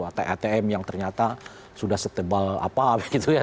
atau atm yang ternyata sudah setebal apa begitu ya